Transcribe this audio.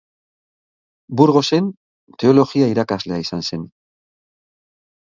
Burgosen, teologia irakaslea izan zen.